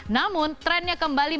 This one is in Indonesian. namun trennya kembali menurun